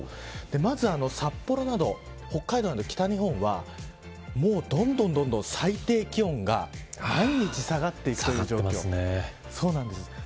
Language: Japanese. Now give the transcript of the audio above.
まず札幌など北海道など北日本はどんどん最低気温が毎日下がっていく状況です。